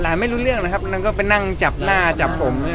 ไม่รู้เรื่องนะครับนางก็ไปนั่งจับหน้าจับผม